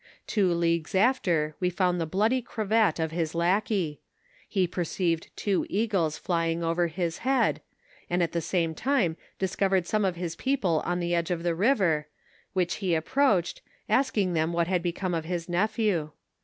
Two leagues after we found the bloody cravat of his lackey ; he perceived two eagles flying over his head, and at the same time discovered some of his people on the edge of the river, which he approached, asking them what had become of his nephew.